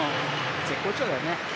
絶好調だよね。